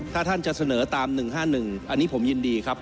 ถ้าท่านจะเสนอตาม๑๕๑อันนี้ผมยินดีครับ